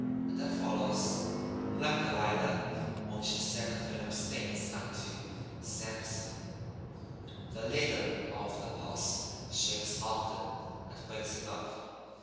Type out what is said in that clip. And I follows, like Delilah when she set the Philip Steins on to Samson. "The leader of the posse shakes Ogden and wakes him up.